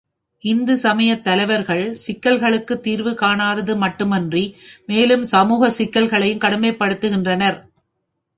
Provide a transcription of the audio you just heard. இந்து சமயத் தலைவர்கள் சிக்கல்களுக்குத் தீர்வு காணாதது மட்டுமன்றி மேலும் சமூகச் சிக்கல்களைக் கடுமைப்படுத்துகின்றனர்.